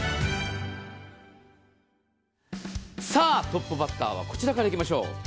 トップバッターはこちらからいきましょう。